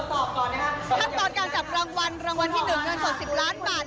ขั้นตอนการจับรางวัลรางวัลที่๑เงินสด๑๐ล้านบาท